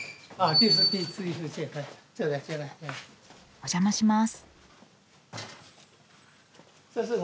お邪魔します。